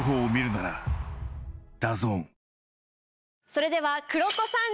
それでは。